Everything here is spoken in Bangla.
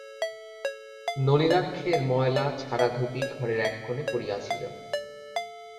নলিনাক্ষের ময়লা ছাড়া-ধুতি ঘরের এক কোণে পড়িয়া ছিল।